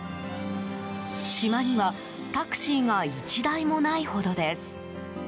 島にはタクシーが１台もないほどです。